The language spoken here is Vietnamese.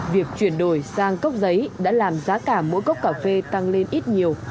việc chuyển đổi sang cốc giấy đã làm giá cả mỗi cốc cà phê tăng lên ít nhiều